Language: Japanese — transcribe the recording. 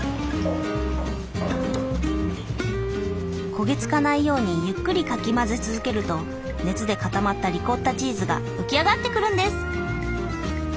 焦げつかないようにゆっくりかき混ぜ続けると熱で固まったリコッタチーズが浮き上がってくるんです。